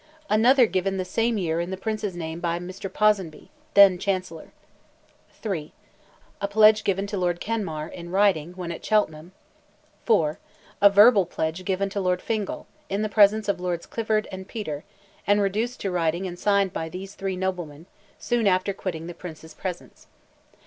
Another given the same year in the Prince's name by Mr. Ponsonby, then Chancellor. 3. A pledge given to Lord Kenmare, in writing, when at Cheltenham. 4. A verbal pledge given to Lord Fingal, in the presence of Lords Clifford and Petre, and reduced to writing and signed by these three noblemen, soon after quitting the Prince's presence.